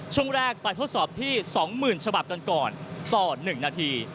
ช่วงแรกไปทดสอบที่๒๐๐๐ฉบับกันก่อนต่อ๑นาที